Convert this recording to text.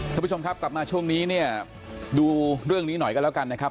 ท่านผู้ชมครับกลับมาช่วงนี้เนี่ยดูเรื่องนี้หน่อยกันแล้วกันนะครับ